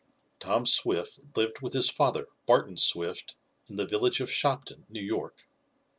Tom Swift lived with his father, Barton Swift, in the village of Shopton, New York.